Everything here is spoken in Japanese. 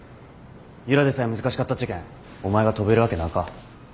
由良でさえ難しかったっちゃけんお前が飛べるわけなか。